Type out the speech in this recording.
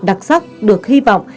đặc sắc được hy vọng